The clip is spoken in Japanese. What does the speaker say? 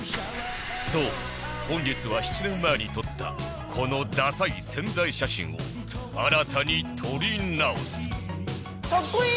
そう本日は７年前に撮ったこのダサい宣材写真を新たに撮り直す